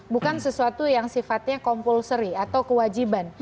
bukan sesuatu yang sifatnya compulsory atau kewajiban